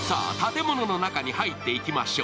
さあ、建物の中に入っていきましょう。